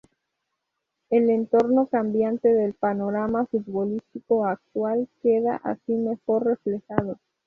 El entorno cambiante del panorama futbolístico actual queda así mejor reflejado.